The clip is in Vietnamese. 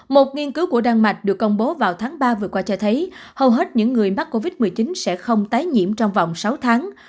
một nghiên cứu của đan mạch được công bố vào tháng ba vừa qua cho thấy hầu hết những người mắc covid một mươi chín sẽ không tái nhiễm trong vòng sáu tháng